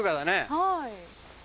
はい。